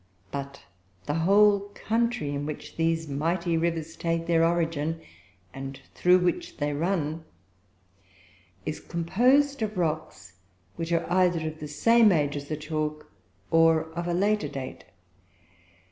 But the whole country in which these mighty rivers take their origin, and through which they run, is composed of rocks which are either of the same age as the chalk, or of later date.